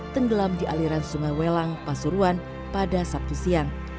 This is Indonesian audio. tenggelam di aliran sungai welang pasuruan pada sabtu siang